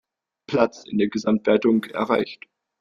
Platz in der Gesamtwertung erreicht.